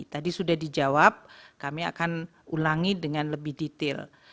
tadi sudah dijawab kami akan ulangi dengan lebih detail